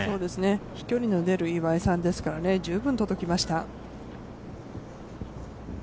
飛距離のある岩井さんですから、十分に届きました。